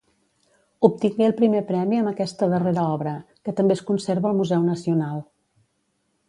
Obtingué el primer premi amb aquesta darrera obra, que també es conserva al Museu Nacional.